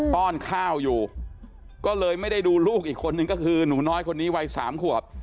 ้อนข้าวอยู่ก็เลยไม่ได้ดูลูกอีกคนนึงก็คือหนูน้อยคนนี้วัยสามขวบ